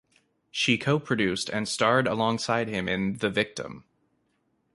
She co-produced and starred alongside him in The Victim.